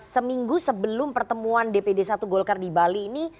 seminggu sebelum pertemuan dpd satu golkar di bali ini